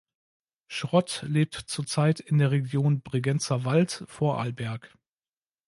Schrott lebt zurzeit in der Region Bregenzerwald, Vorarlberg.